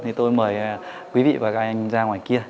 thì tôi mời quý vị và các anh ra ngoài kia